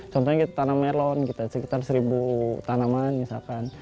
contohnya kita tanam melon kita sekitar seribu tanaman misalkan